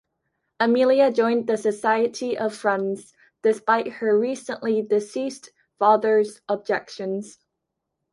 Amelia joined the Society of Friends despite her recently-deceased father's objections.